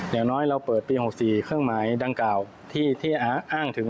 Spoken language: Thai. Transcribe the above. อย่างน้อยเราเปิดปี๖๔เครื่องหมายดังกล่าวที่อ้างถึง